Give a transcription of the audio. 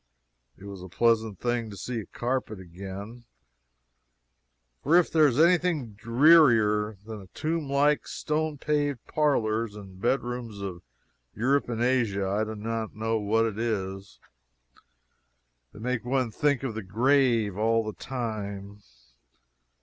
It was a pleasant thing to see a carpet again, for if there is any thing drearier than the tomb like, stone paved parlors and bed rooms of Europe and Asia, I do not know what it is. They make one think of the grave all the time.